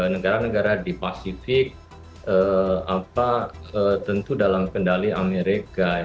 negara negara di pasifik tentu dalam kendali amerika